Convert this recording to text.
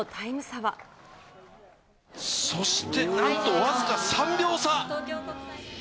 そしてなんと僅か３秒差。